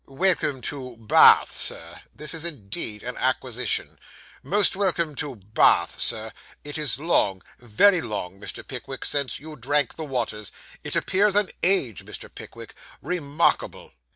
'Welcome to Ba ath, Sir. This is indeed an acquisition. Most welcome to Ba ath, sir. It is long very long, Mr. Pickwick, since you drank the waters. It appears an age, Mr. Pickwick. Re markable!